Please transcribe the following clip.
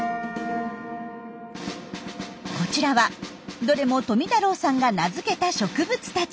こちらはどれも富太郎さんが名付けた植物たち。